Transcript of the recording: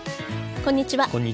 こんにちは。